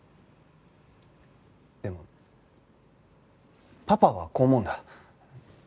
でもパパはこう思うんだ。